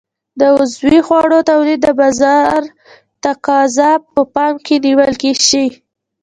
د عضوي خوړو تولید د بازار تقاضا په پام کې نیول شي.